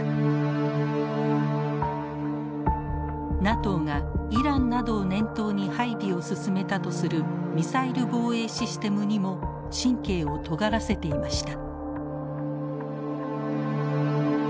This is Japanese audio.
ＮＡＴＯがイランなどを念頭に配備を進めたとするミサイル防衛システムにも神経をとがらせていました。